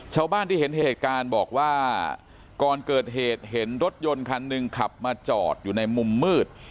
ชาวบ้านที่เห็นเหตุการณ์บอกว่าก่อนเกิดเหตุเห็นรถยนต์คันหนึ่งขับมาจอดอยู่ในมุมมืด